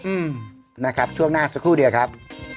อืมนะครับช่วงหน้าสักครู่เดียวครับ